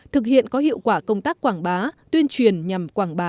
thực hiện có hiệu quả công tác quảng bá tuyên truyền nhằm quảng bá